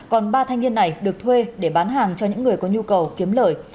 còn ba thanh niên này được thuê để bán hàng cho những người có nhu cầu kiếm lợi